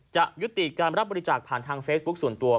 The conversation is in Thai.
จะยุติการรับบริจาคผ่านทางเฟซบุ๊คส่วนตัว